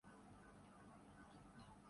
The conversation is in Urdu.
سڑکوں اور پلوں سے سوچ نہیں بنتی۔